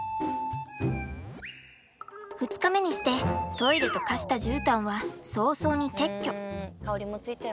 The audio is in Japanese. ２日目にしてトイレと化したじゅうたんは早々に撤去。